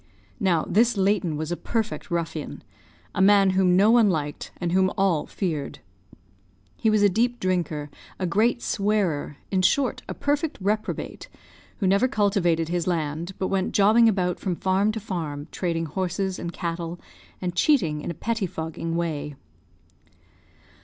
Now, this Layton was a perfect ruffian; a man whom no one liked, and whom all feared. He was a deep drinker, a great swearer, in short, a perfect reprobate; who never cultivated his land, but went jobbing about from farm to farm, trading horses and cattle, and cheating in a pettifogging way.